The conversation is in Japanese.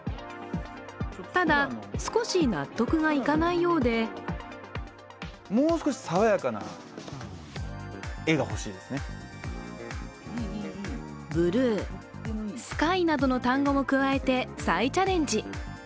ただ、少し納得がいかないようでブルー、スカイなどの単語も加えて再チャレンジ。